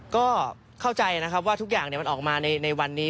ก็เข้าใจนะครับว่าทุกอย่างมันออกมาในวันนี้